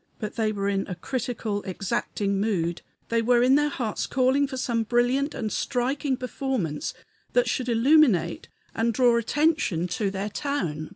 But they were in a critical, exacting mood; they were in their hearts calling for some brilliant and striking performance that should illuminate and draw attention to their town.